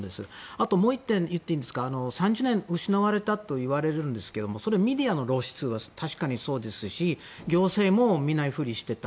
あと、もう１点ですが失われた３０年といわれるんですけどもそれはメディアの露出は確かにそうですし行政も見ないふりをしていた。